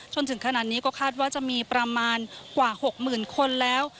จนถึงขนาดนี้ก็คาดว่าจะมีประมาณกว่า๖๐๐๐คนแล้ว